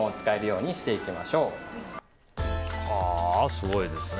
すごいですね。